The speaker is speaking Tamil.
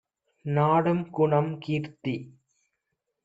நாடும் குணம், கீர்த்தி